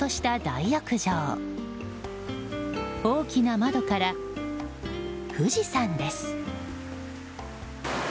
大きな窓から富士山です。